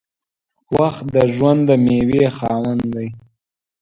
• وخت د ژوند د میوې خاوند دی.